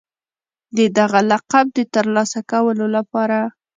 د دغه لقب د ترلاسه کولو لپاره